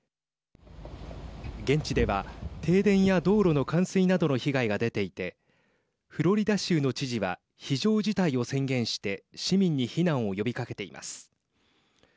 現地では、停電や道路の冠水などの被害が出ていてフロリダ州の知事は非常事態を宣言して市民に避難を呼びかけています。